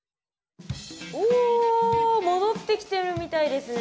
お戻ってきてるみたいですね。